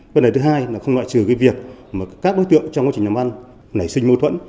vấn đề thứ hai là không loại trừ cái việc mà các đối tượng trong quá trình làm ăn nảy sinh mâu thuẫn